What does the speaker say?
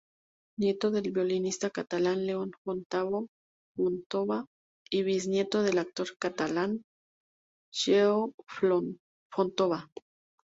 Nieto del violinista catalán León Fontova y bisnieto del actor catalán Lleó Fontova.